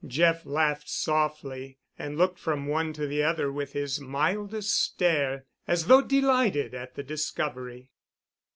Jeff laughed softly and looked from one to the other with his mildest stare, as though delighted at the discovery.